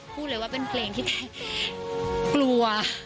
พูดเลยว่าเป็นเพลงที่ไทยกลัว